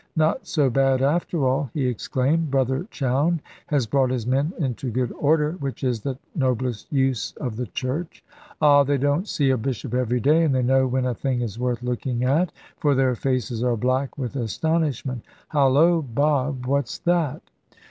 "Not so bad after all," he exclaimed; "brother Chowne has brought his men into good order, which is the noblest use of the Church. Ah! they don't see a bishop every day, and they know when a thing is worth looking at, for their faces are black with astonishment. Holloa, Bob! what's that?"